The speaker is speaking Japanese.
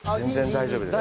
大丈夫ですか。